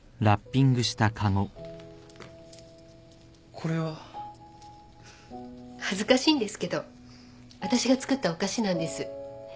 これは？恥ずかしいんですけど私が作ったお菓子なんです。